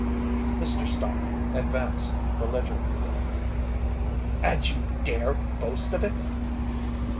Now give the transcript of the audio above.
Mr. Stott advanced belligerently. "And you dare boast of it!"